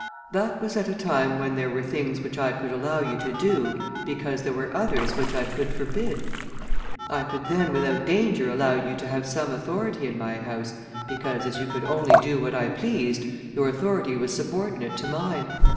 "That was at a time when there were things which I could allow you to do, because there were others which I could forbid. I could then, without danger, allow you to have some authority in my house, because, as you could only do what I pleased, your authority was subordinate to mine.